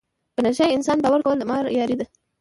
په نشه یې انسان باور کول د مار یاري ده.